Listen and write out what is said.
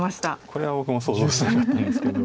これは僕も想像してなかったんですけど。